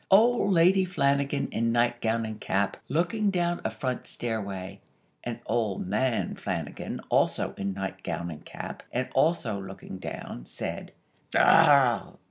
Old Lady Flanagan in nightgown and cap, looking down a front stairway, (and Old Man Flanagan, also in nightgown and cap, and also looking down), said: "Arrah!!